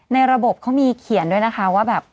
ในระบบเขามีเขียนด้วยนะคะว่าแบบ